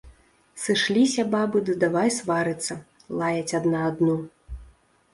Сышліся бабы ды давай сварыцца, лаяць адна адну.